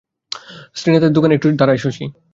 শ্রীনাথের দোকানে একটু দাড়ায় শশী।